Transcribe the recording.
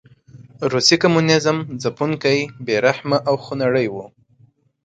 روسي کمونېزم ځپونکی، بې رحمه او خونړی و.